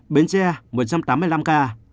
bến tre một trăm tám mươi năm ca